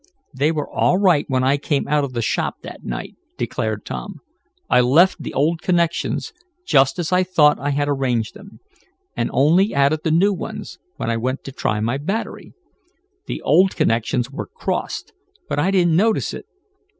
"They were all right when I came out of the shop that night," declared Tom. "I left the old connections just as I thought I had arranged them, and only added the new ones, when I went to try my battery. The old connections were crossed, but I didn't notice it.